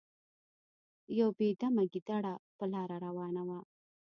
یو بې دمه ګیدړه په لاره روانه وه.